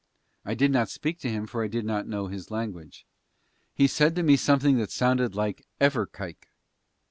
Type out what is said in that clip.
I did not speak to him for I did not know his language. He said to me something that sounded like "Everkike."